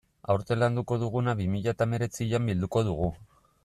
Aurten landuko duguna bi mila eta hemeretzian bilduko dugu.